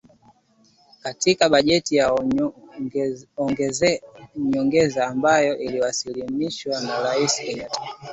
Katika bajeti ya nyongeza ambayo ilisainiwa na Rais Kenyatta